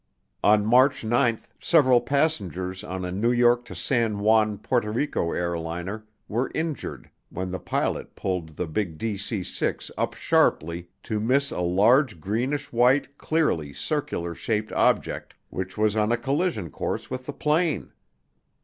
On March 9, several passengers on a New York to San Juan, Porto Rico airliner were injured when the pilot pulled the big DC 6 up sharply to miss a "large, greenish white, clearly circular shaped object" which was on a collision course with the plane.